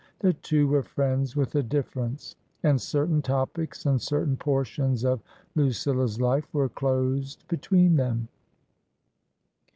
The two were friends with a difference, and certain topics and certain portions of Lucilla's life were closed between them.